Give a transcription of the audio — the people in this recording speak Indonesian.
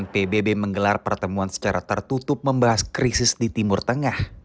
pbb menggelar pertemuan secara tertutup membahas krisis di timur tengah